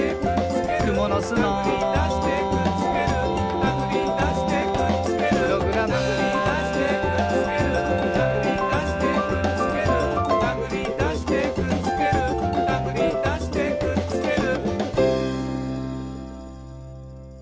「くものすの」「たぐりだしてくっつける」「たぐりだしてくっつける」「プログラム」「たぐりだしてくっつける」「たぐりだしてくっつける」「たぐりだしてくっつけるたぐりだしてくっつける」